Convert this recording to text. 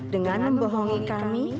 dengan membohongi kami